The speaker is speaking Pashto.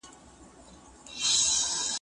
اور ته یې وتړلې ستا د ښکلو پېغلو غوښې